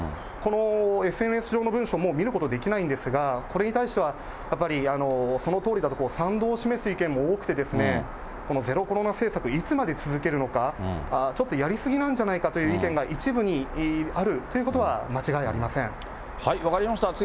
このＳＮＳ上の文章も見ることできないんですが、これに対しては、やっぱりそのとおりだと、賛同を示す意見も多くて、ゼロコロナ政策、いつまで続けるのか、ちょっとやり過ぎなんじゃないかという意見が一部にあるというこ分かりました。